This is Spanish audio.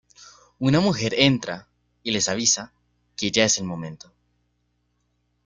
Una mujer entra, y les avisa, que ya es el momento.